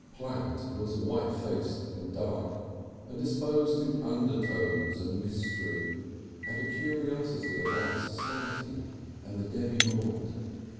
Platt was white faced and dark, and disposed to undertones and mystery and a curiosity about society and the demi monde.